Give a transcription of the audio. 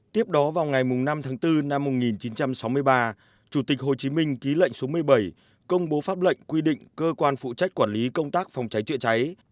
tiếp đó vào ngày năm tháng bốn năm một nghìn chín trăm sáu mươi ba chủ tịch hồ chí minh ký lệnh số một mươi bảy công bố pháp lệnh quy định cơ quan phụ trách quản lý công tác phòng cháy chữa cháy